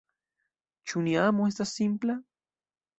Ĉu nia amo estas simpla?